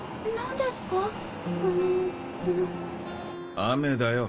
雨だよ。